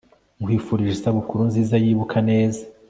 nkwifurije isabukuru nziza yibuka neza